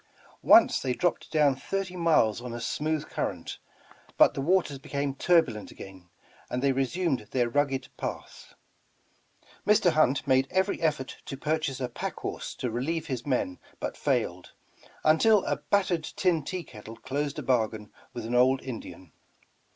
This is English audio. Once they dropped down thirty miles on a smooth current, but the waters became tur bulent again, and they resumed their rugged path. Mr. Hunt made eYery effort to purchase a pack horse to relieve his men but failed, until a battered tin tea kettle closed a bargain with an old Indian.